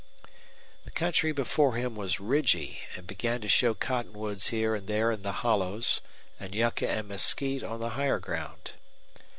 The country before him was ridgy and began to show cottonwoods here and there in the hollows and yucca and mesquite on the higher ground.